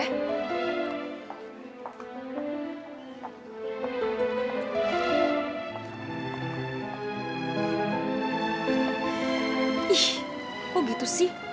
ih kok gitu sih